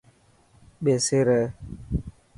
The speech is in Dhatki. ٻيسي ري.